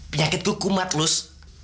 penyakitku kumat luz